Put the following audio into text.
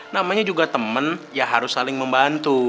namanya juga teman ya harus saling membantu